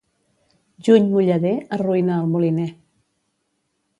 Juny mullader arruïna al moliner.